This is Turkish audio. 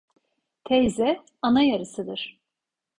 Teyze, ana yarısıdır.